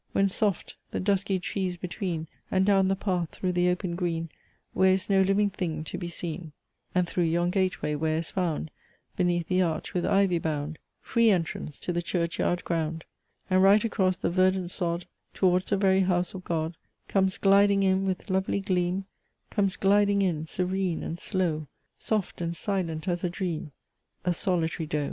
When soft! the dusky trees between, And down the path through the open green, Where is no living thing to be seen; And through yon gateway, where is found, Beneath the arch with ivy bound, Free entrance to the church yard ground And right across the verdant sod, Towards the very house of God; Comes gliding in with lovely gleam, Comes gliding in serene and slow, Soft and silent as a dream. A solitary Doe!